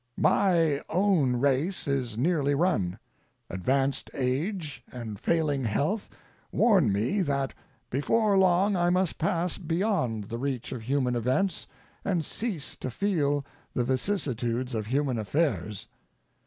My own race is nearly run; advanced age and failing health warn me that before long I must pass beyond the reach of human events and cease to feet the vicissitudes of human affairs.